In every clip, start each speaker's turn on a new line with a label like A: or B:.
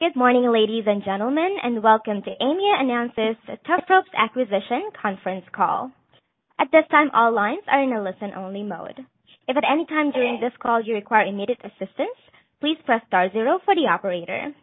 A: Good morning, ladies and gentlemen, welcome to Aimia Announces the Tufropes Acquisition Conference Call. At this time, all lines are in a listen-only mode. If at any time during this call you require immediate assistance, please press star zero for the operator.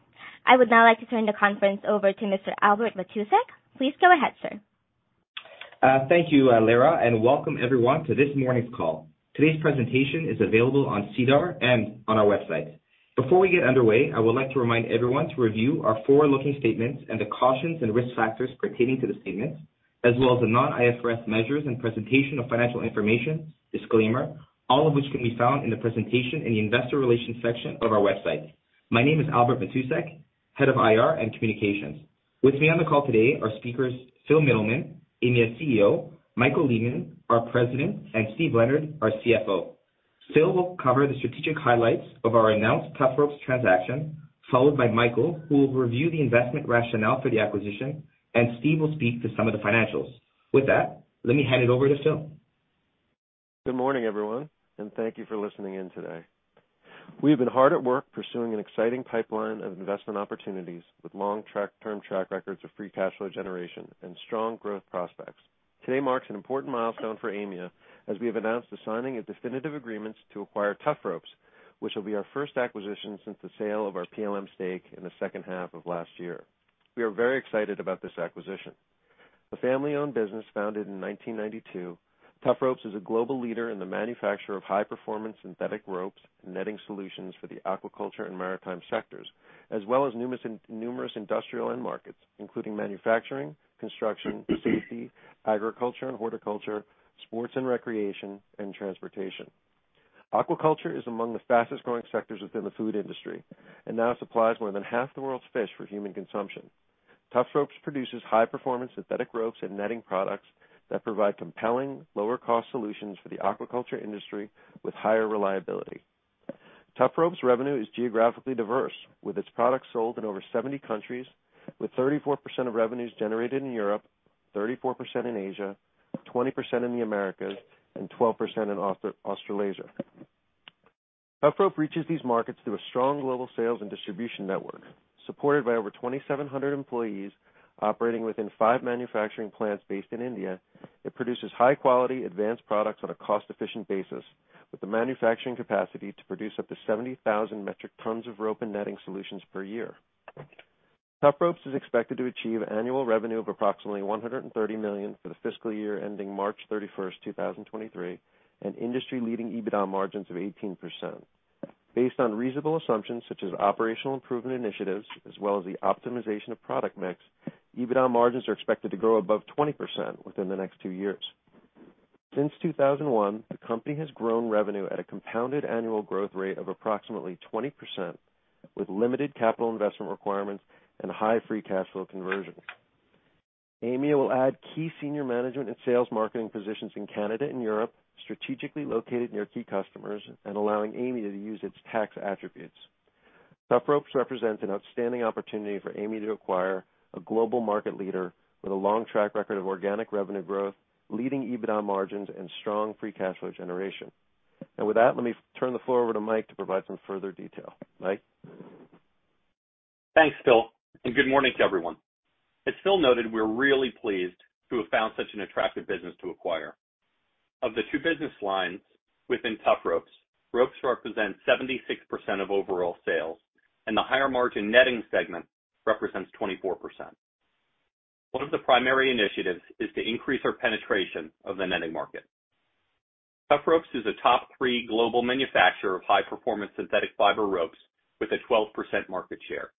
A: I would now like to turn the conference over to Mr. Albert Matousek. Please go ahead, sir.
B: Thank you, Lara, and welcome everyone to this morning's call. Today's presentation is available on SEDAR and on our website. Before we get underway, I would like to remind everyone to review our forward-looking statements and the cautions and risk factors pertaining to the statements, as well as the non-IFRS measures and presentation of financial information disclaimer, all of which can be found in the presentation in the investor relations section of our website. My name is Albert Matousek, Head of IR and Communications. With me on the call today are speakers Phil Mittleman, Aimia's CEO, Michael Lehmann, our President, and Steven Leonard, our CFO. Phil will cover the strategic highlights of our announced Tufropes transaction, followed by Michael, who will review the investment rationale for the acquisition, and Steve will speak to some of the financials. With that, let me hand it over to Phil.
C: Good morning, everyone, thank you for listening in today. We've been hard at work pursuing an exciting pipeline of investment opportunities with long-term track records of free cash flow generation and strong growth prospects. Today marks an important milestone for Aimia as we have announced the signing of definitive agreements to acquire Tufropes, which will be our first acquisition since the sale of our PLM stake in the second half of last year. We are very excited about this acquisition. A family-owned business founded in 1992, Tufropes is a global leader in the manufacture of high-performance synthetic ropes and netting solutions for the aquaculture and maritime sectors, as well as numerous industrial end markets, including manufacturing, construction, safety, agriculture and horticulture, sports and recreation, and transportation. Aquaculture is among the fastest-growing sectors within the food industry and now supplies more than half the world's fish for human consumption. Tufropes produces high-performance synthetic ropes and netting products that provide compelling lower cost solutions for the aquaculture industry with higher reliability. Tufropes revenue is geographically diverse, with its products sold in over 70 countries, with 34% of revenues generated in Europe, 34% in Asia, 20% in the Americas, and 12% in Australasia. Tufropes reaches these markets through a strong global sales and distribution network. Supported by over 2,700 employees operating within five manufacturing plants based in India, it produces high quality advanced products on a cost-efficient basis with the manufacturing capacity to produce up to 70,000 metric tons of rope and netting solutions per year. Tufropes is expected to achieve annual revenue of approximately 130 million for the fiscal year ending March 31, 2023, and industry-leading EBITDA margins of 18%. Based on reasonable assumptions such as operational improvement initiatives as well as the optimization of product mix, EBITDA margins are expected to grow above 20% within the next two years. Since 2001, the company has grown revenue at a compounded annual growth rate of approximately 20%, with limited capital investment requirements and high free cash flow conversion. Aimia will add key senior management and sales marketing positions in Canada and Europe, strategically located near key customers and allowing Aimia to use its tax attributes. Tufropes represents an outstanding opportunity for Aimia to acquire a global market leader with a long track record of organic revenue growth, leading EBITDA margins, and strong free cash flow generation. With that, let me turn the floor over to Mike to provide some further detail. Mike?
D: Thanks, Phil, and good morning to everyone. As Phil noted, we're really pleased to have found such an attractive business to acquire. Of the two business lines within Tufropes, Ropes represents 76% of overall sales, and the higher margin netting segment represents 24%. One of the primary initiatives is to increase our penetration of the netting market. Tufropes is a top three global manufacturer of high-performance synthetic fiber ropes with a 12% market share.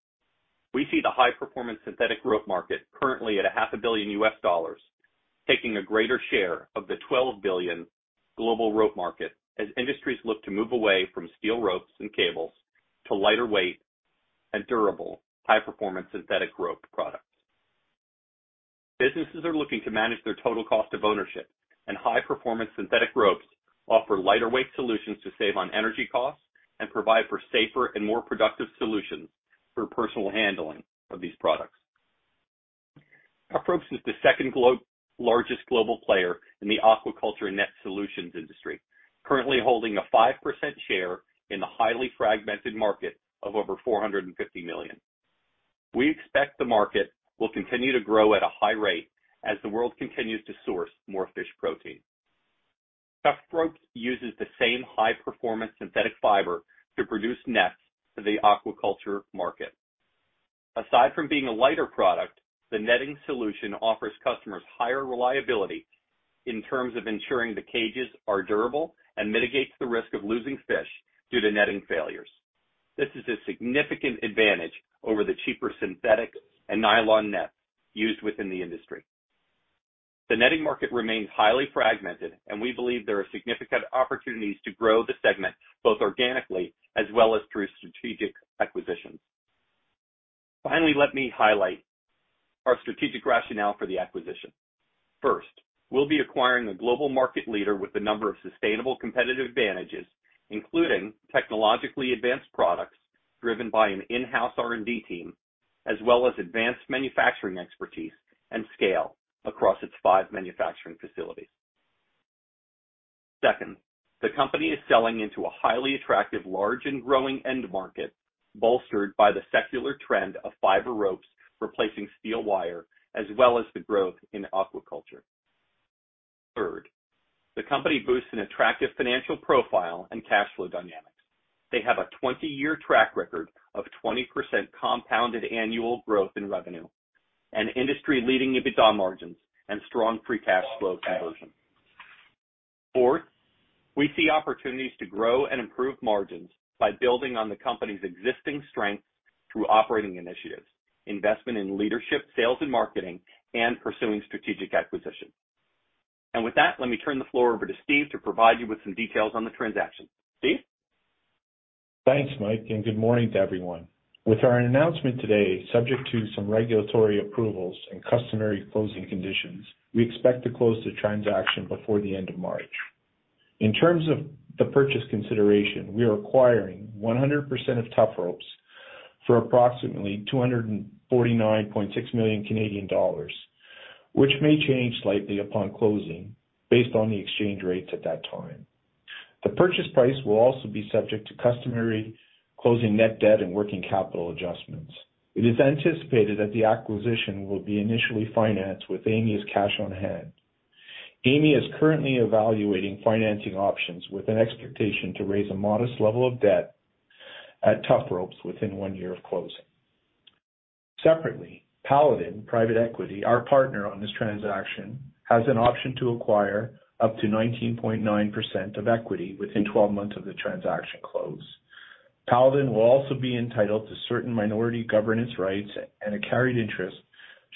D: We see the high-performance synthetic rope market currently at a half a billion U.S. dollars, taking a greater share of the $12 billion global rope market as industries look to move away from steel ropes and cables to lighter weight and durable high-performance synthetic rope products. Businesses are looking to manage their total cost of ownership, and high-performance synthetic ropes offer lighter weight solutions to save on energy costs and provide for safer and more productive solutions for personal handling of these products. Tufropes is the second largest global player in the aquaculture net solutions industry, currently holding a 5% share in the highly fragmented market of over $450 million. We expect the market will continue to grow at a high rate as the world continues to source more fish protein. Tufropes uses the same high-performance synthetic fiber to produce nets for the aquaculture market. Aside from being a lighter product, the netting solution offers customers higher reliability in terms of ensuring the cages are durable and mitigates the risk of losing fish due to netting failures. This is a significant advantage over the cheaper synthetic and nylon nets used within the industry. The netting market remains highly fragmented, and we believe there are significant opportunities to grow the segment both organically as well as through strategic acquisitions. Finally, let me highlight our strategic rationale for the acquisition. First, we'll be acquiring a global market leader with a number of sustainable competitive advantages, including technologically advanced products driven by an in-house R&D team, as well as advanced manufacturing expertise and scale across its five manufacturing facilities. Second, the company is selling into a highly attractive large and growing end market, bolstered by the secular trend of fiber ropes replacing steel wire, as well as the growth in aquaculture. Third, the company boosts an attractive financial profile and cash flow dynamics. They have a 20-year track record of 20% compounded annual growth in revenue and industry-leading EBITDA margins and strong free cash flow conversion. Fourth, we see opportunities to grow and improve margins by building on the company's existing strengths through operating initiatives, investment in leadership, sales and marketing, and pursuing strategic acquisitions. With that, let me turn the floor over to Steve to provide you with some details on the transaction. Steve?
E: Thanks, Mike, and good morning to everyone. With our announcement today, subject to some regulatory approvals and customary closing conditions, we expect to close the transaction before the end of March. In terms of the purchase consideration, we are acquiring 100% of Tufropes for approximately 249.6 million Canadian dollars, which may change slightly upon closing based on the exchange rates at that time. The purchase price will also be subject to customary closing net debt and working capital adjustments. It is anticipated that the acquisition will be initially financed with Aimia's cash on hand. Aimia is currently evaluating financing options with an expectation to raise a modest level of debt at Tufropes within one year of closing. Separately, Paladin Private Equity, our partner on this transaction, has an option to acquire up to 19.9% of equity within 12 months of the transaction close. Paladin will also be entitled to certain minority governance rights and a carried interest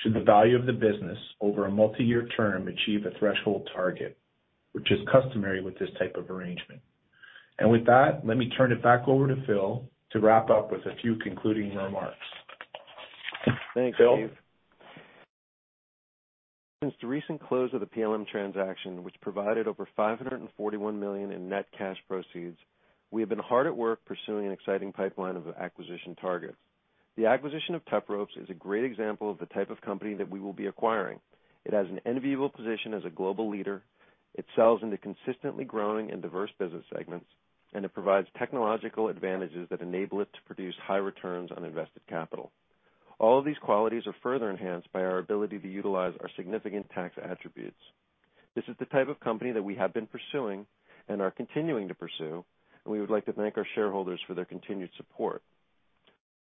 E: should the value of the business over a multi-year term achieve a threshold target, which is customary with this type of arrangement. With that, let me turn it back over to Phil to wrap up with a few concluding remarks. Phil?
C: Thanks, Steve. Since the recent close of the PLM transaction, which provided over 541 million in net cash proceeds, we have been hard at work pursuing an exciting pipeline of acquisition targets. The acquisition of Tufropes is a great example of the type of company that we will be acquiring. It has an enviable position as a global leader. It sells into consistently growing and diverse business segments, and it provides technological advantages that enable it to produce high returns on invested capital. All of these qualities are further enhanced by our ability to utilize our significant tax attributes. This is the type of company that we have been pursuing and are continuing to pursue, and we would like to thank our shareholders for their continued support.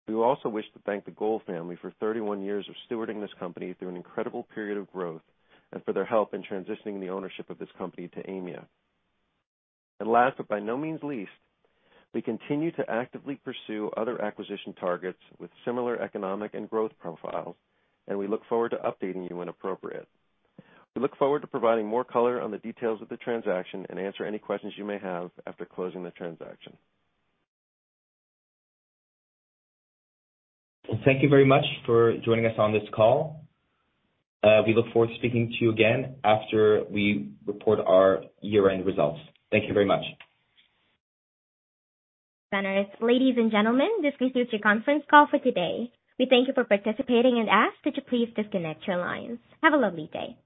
C: We also wish to thank the Goel family for 31 years of stewarding this company through an incredible period of growth and for their help in transitioning the ownership of this company to Aimia. Last, but by no means least, we continue to actively pursue other acquisition targets with similar economic and growth profiles, and we look forward to updating you when appropriate. We look forward to providing more color on the details of the transaction and answer any questions you may have after closing the transaction.
B: Thank you very much for joining us on this call. We look forward to speaking to you again after we report our year-end results. Thank you very much.
A: Ladies and gentlemen, this concludes your conference call for today. We thank you for participating and ask that you please disconnect your lines. Have a lovely day.